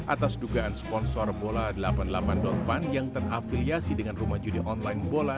atas dugaan sponsor bola delapan puluh delapan van yang terafiliasi dengan rumah judi online bola delapan puluh delapan